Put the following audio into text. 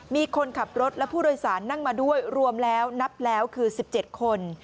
มีคนขับรถและผู้โดยสารนั่งมาด้วยรวมแล้วนับแล้วคือ๑๗คน